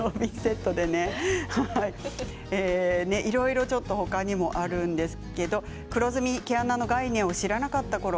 いろいろ、ちょっと他にもあるんですけれど黒ずみ毛穴の概念を知らなかったころ